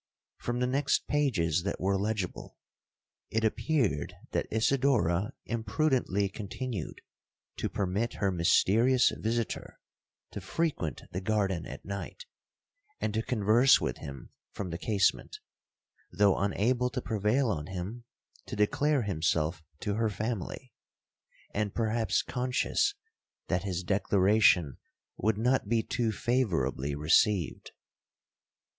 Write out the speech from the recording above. From the next pages that were legible, it appeared that Isidora imprudently continued to permit her mysterious visitor to frequent the garden at night, and to converse with him from the casement, though unable to prevail on him to declare himself to her family, and perhaps conscious that his declaration would not be too favourably received.